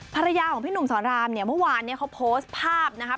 ภรรยาของพี่หนุ่มสอนรามเมื่อวานเขาโพสต์ภาพนะครับ